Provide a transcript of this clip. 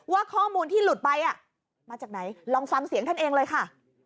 ว่าข้อมูลที่หลุดไปมาจากไหนลองฟังเสียงท่านเองเลยค่ะ